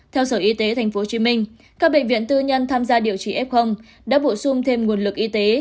theo sở y tế tp hcm các bệnh viện tư nhân tham gia điều trị f đã bổ sung thêm nguồn lực y tế